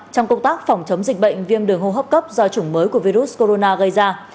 trong công tác phòng chống dịch bệnh viêm đường hô hấp cấp do chủng mới của virus corona gây ra